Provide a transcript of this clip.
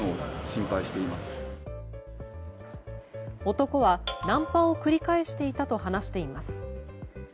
男はナンパを繰り返していたと話しています。